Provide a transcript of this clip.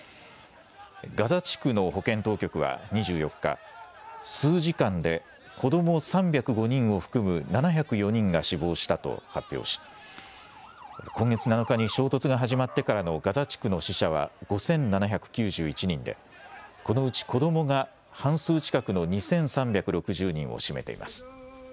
ガザ地区の保健当局は２４日、数時間で子ども３０５人を含む７０４人が死亡したと発表し、今月７日に衝突が始まってからのガザ地区の死者は５７９１人で、このうち子どもが半数近くの２３６０人を占めています。